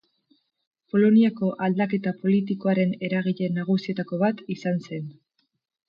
Poloniako aldaketa politikoaren eragile nagusietako bat izan zen.